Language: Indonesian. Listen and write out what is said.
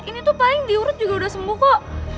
ini tuh paling diurut juga udah sembuh kok